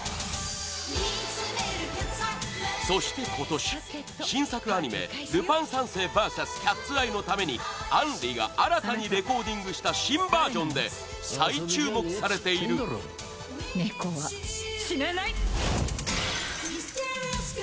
そして今年、新作アニメ「ルパン三世ＶＳキャッツ・アイ」のために杏里が新たにレコーディングした新バージョンで再注目されている瞳：ネコは死なない！